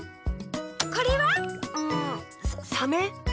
これは？んサメ？